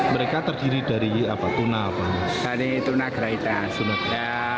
mereka terdiri dari tunagrahita